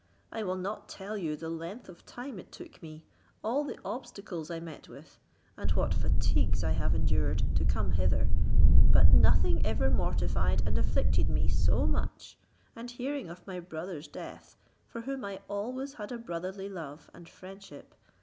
I will not tell you the length of time it took me, all the obstacles I met with, and what fatigues I have endured, to come hither; but nothing ever mortified and afflicted me so much, as hearing of my brother's death, for whom I always had a brotherly love and friendship.